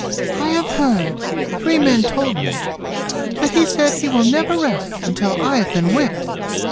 "I have heard three men told me that he said he will never rest until I have been whipped!